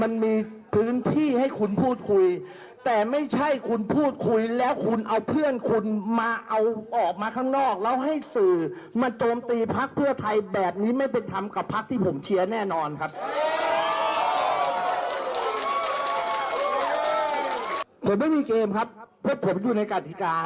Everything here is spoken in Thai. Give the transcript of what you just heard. มันไม่มีเกมครับเพราะผมอยู่ในกฎิกา